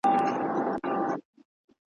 پرې را تاو یې کړه د ناز لاسونه دواړه`